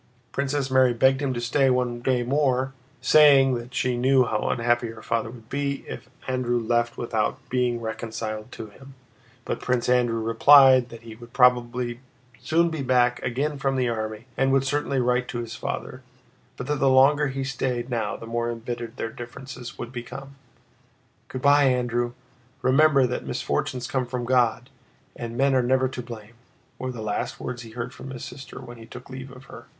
Princess Mary begged him to stay one day more, saying that she knew how unhappy her father would be if Andrew left without being reconciled to him, but Prince Andrew replied that he would probably soon be back again from the army and would certainly write to his father, but that the longer he stayed now the more embittered their differences would become. "Good by, Andrew! Remember that misfortunes come from God, and men are never to blame," were the last words he heard from his sister when he took leave of her.